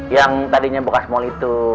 yang tadinya bekas mal itu